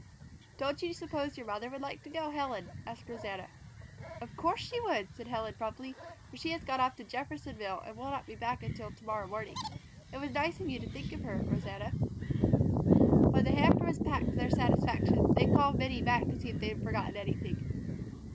"Don't you suppose your mother would like to go, Helen?" asked Rosanna. "Of course she would!" said Helen promptly, "but she has gone to Jeffersonville and will not be back until to morrow morning. It was nice of you to think of her, Rosanna." When the hamper was packed to their satisfaction, they called Minnie back to see if they had forgotten anything.